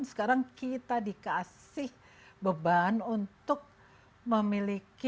sekarang kita dikasih beban untuk memiliki